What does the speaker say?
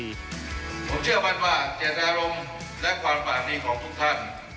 ผมเชื่อบ้านบ้างเจ็ดอารมณ์และความฝากดีของทุกท่าน